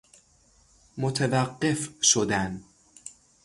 متوقف شدن